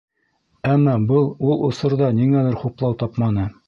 Әммә был ул осорҙа ниңәлер хуплау тапманы.